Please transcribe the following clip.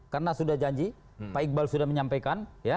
karena sudah janji pak iqbal sudah menyampaikan